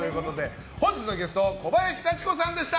本日のゲスト小林幸子さんでした。